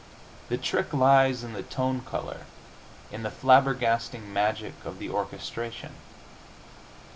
The trick lies in the tone color in the flabbergasting magic of the orchestration.